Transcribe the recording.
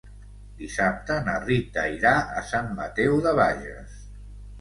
Dissabte na Rita irà a Sant Mateu de Bages.